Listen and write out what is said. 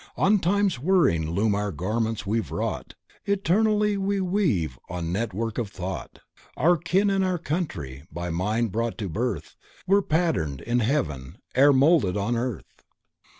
On Time's whirring loom our garments we've wrought Eternally weave we on network of Thought, Our kin and our country, by Mind brought to birth, Were patterned in heaven ere molded on earth.